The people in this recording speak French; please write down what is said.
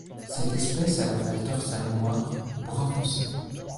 Cette espèce a la face dorsale noire ou brun foncé.